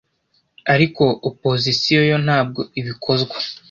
ariko opozisiyo yo ntabwo ibikozwa